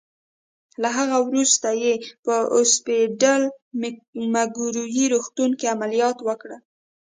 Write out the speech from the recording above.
له هغه وروسته یې په اوسپیډل مګوري روغتون کې عملیات راوکړل.